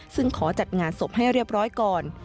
ซึ่งขอจัดงานศพให้เรียบร้อยก่อน